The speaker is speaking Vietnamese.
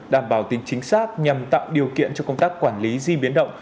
đảm bảo tính chính xác nhằm tạo điều kiện cho công tác quản lý di biến động